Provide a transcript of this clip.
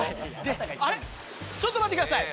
あれっ、ちょっと待ってください。